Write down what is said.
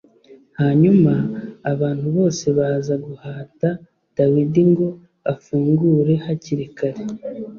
Hanyuma abantu bose baza guhata Dawidi ngo afungure hakiri kare